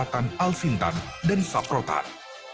peningkatan pemanfaatan alsintan dan saprotan